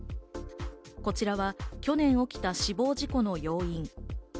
こちらは去年起きた死亡事故の要因。